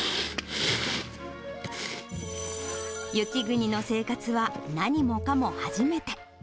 雪国の生活は何もかも初めて。